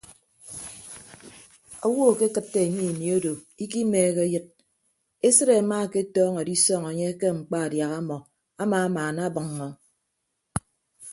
Owo akekịtte enye ini odo ikimeehe eyịd esịt amaaketọñọ edisọñ enye ke mkpa adiaha amọ amamaanabʌññọ.